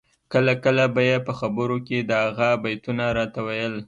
کله کله به یې په خبرو کي د هغه بیتونه راته ویل